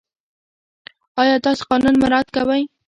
آیا تاسې قانون مراعات کوئ؟